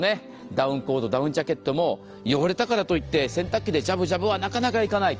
ダウンコートダウンジャケットも汚れたからといって洗濯機でジャブジャブはなかなかいかない。